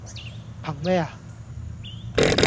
憑咩呀?